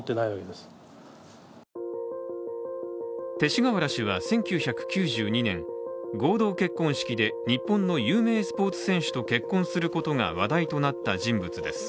勅使河原氏は１９９２年、合同結婚式で日本の有名スポーツ選手と結婚することが話題となった人物です。